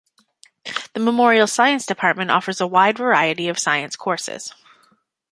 The Memorial Science Department offers a wide variety of science courses.